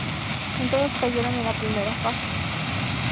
En todos cayeron en la primera fase.